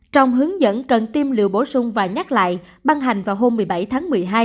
trong hướng dẫn cần tiêm liều bổ sung và nhắc lại băng hành vào hôm một mươi bảy tháng một mươi hai